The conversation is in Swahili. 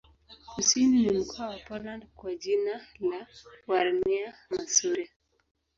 Kusini ni mkoa wa Poland kwa jina la Warmia-Masuria.